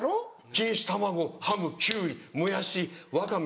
錦糸卵ハムキュウリモヤシワカメ